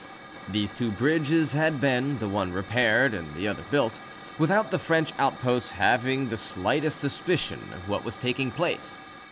These two bridges had been, the one repaired and the other built, without the French outposts having the slightest suspicion of what was taking place.